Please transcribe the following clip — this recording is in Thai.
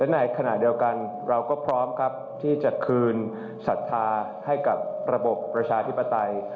ในขณะเดียวกันเราก็พร้อมครับที่จะคืนศรัทธาให้กับระบบประชาธิปไตย